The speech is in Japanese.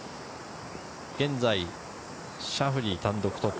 現在、シャフリー、単独トップ。